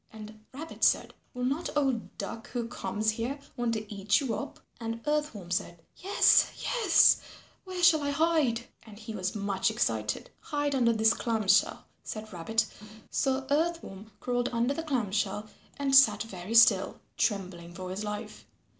And Rabbit said, "Will not old Duck who comes here want to eat you up?" And Earth Worm said, "Yes, yes, where shall I hide?" and he was much excited. "Hide under this clam shell," said Rabbit. So Earth Worm crawled under the clam shell and sat very still, trembling for his life.